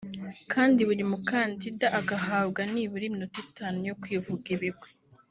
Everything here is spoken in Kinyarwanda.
kandi buri mukandida agahabwa nibura iminota itanu yo kwivuga ibigwi